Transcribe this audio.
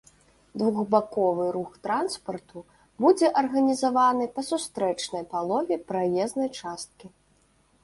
Двухбаковы рух транспарту будзе арганізаваны па сустрэчнай палове праезнай часткі.